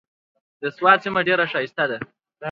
د سوات سيمه ډېره ښايسته ده۔